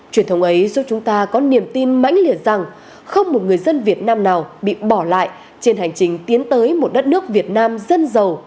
truyền thống ấy giúp chúng ta có niềm tin mãnh liệt rằng không một người dân việt nam nào bị bỏ lại trên hành trình tiến tới một đất nước việt nam dân giàu